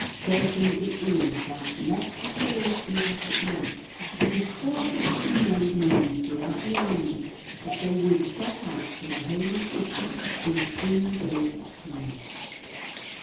Certain it is that, let the cause be what it might, he caused it to be made known throughout the army that they would set out for the Holy City in three days' time.